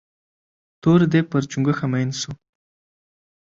تور ديب پر چونگوښه مين سو.